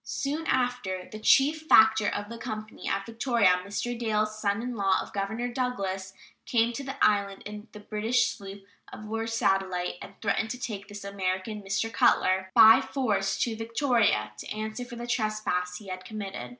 Soon after "the chief factor of the company at Victoria, Mr. Dalles, son in law of Governor Douglas, came to the island in the British sloop of war Satellite and threatened to take this American [Mr. Cutler] by force to Victoria to answer for the trespass he had committed.